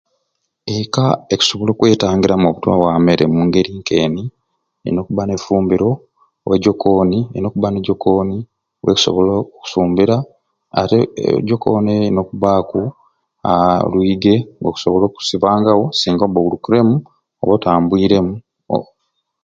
Eka ekusobola okwetangiramu obutwa bwa mmere omungeri nk'eni elina okubba n'efumburo oba ejokooni elina okubba n'ejokooni wokusobola okusumbira ate e ejokooni eyo erina okubbaaku aa lwige ng'okusobola okusibangawo singa obba owulukiremu oba otambwiremu o